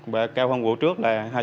và cao hơn vụ trước là